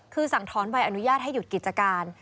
คือสั่งถอนใบอนุญาตให้หยุดกิจการ